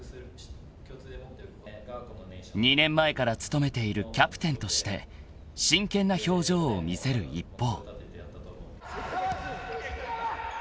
［２年前から務めているキャプテンとして真剣な表情を見せる一方］